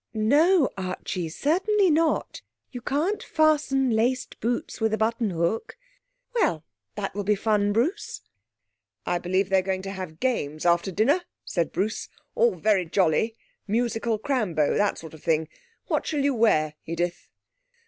'No, Archie, certainly not; you can't fasten laced boots with a buttonhook.... Well, that will be fun, Bruce.' 'I believe they're going to have games after dinner,' said Bruce. 'All very jolly musical crambo that sort of thing.... What shall you wear, Edith?'